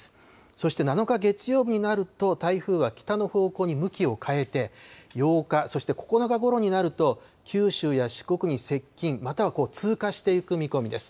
そして７日月曜日になると、台風は北の方向に向きを変えて、８日、そして９日ごろになると、九州や四国に接近、または通過していく見込みです。